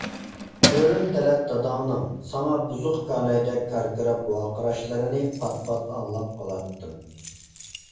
سۆرۈن تەلەت داداڭنىڭ ساڭا بۇزۇق كانايدەك كاركىراپ ۋارقىراشلىرىنى پات-پات ئاڭلاپ قالاتتىم.